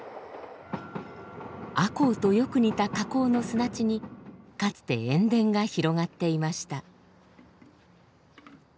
赤穂とよく似た河口の砂地にかつて塩田が広がっていました。